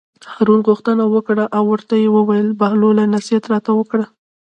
هارون غوښتنه وکړه او ورته ویې ویل: بهلوله نصیحت راته وکړه.